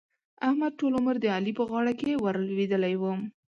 احمد؛ ټول عمر د علي په غاړه کې ور لوېدلی وو.